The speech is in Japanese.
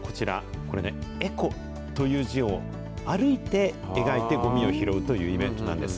これね、ＥＣＯという字を歩いて描いてごみを拾うというイベントなんです。